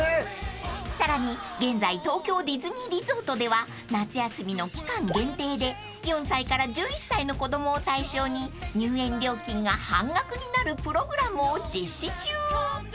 ［さらに現在東京ディズニーリゾートでは夏休みの期間限定で４歳から１１歳の子供を対象に入園料金が半額になるプログラムを実施中］